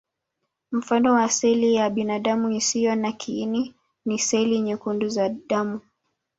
Mfano wa seli ya binadamu isiyo na kiini ni seli nyekundu za damu.